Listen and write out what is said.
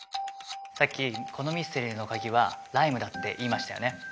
さっきこのミステリーの鍵はライムだって言いましたよね。